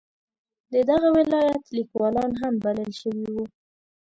د دغه ولایت لیکوالان هم بلل شوي وو.